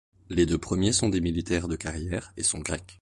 Les deux premiers sont des militaires de carrières et sont grecs.